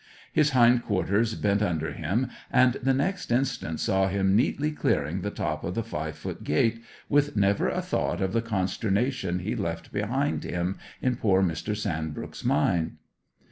His hind quarters bent under him, and the next instant saw him neatly clearing the top of the five foot gate, with never a thought of the consternation he left behind him in poor Mr. Sandbrook's mind.